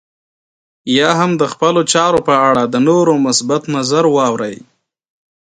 يا هم د خپلو چارو په اړه د نورو مثبت نظر واورئ.